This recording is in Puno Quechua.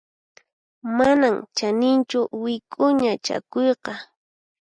Manan chaninchu wik'uña chakuyqa.